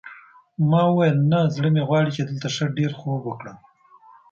ما وویل نه زړه مې غواړي چې دلته ښه ډېر خوب وکړم.